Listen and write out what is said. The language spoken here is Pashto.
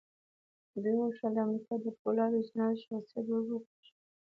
دوی غوښتل د امريکا د پولادو صنعت شخصيت ور وپېژني.